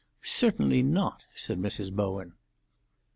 "Certainly not," said Mrs. Bowen.